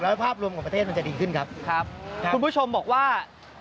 แล้วภาพรวมของประเทศมันจะดีขึ้นครับครับคุณผู้ชมบอกว่า